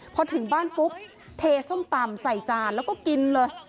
พอถึงบ้านปุ๊บเทส้มตำใส่จานแล้วก็กินเลย